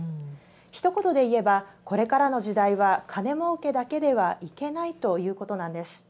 一言で言えばこれからの時代は金もうけだけではいけないということなんです。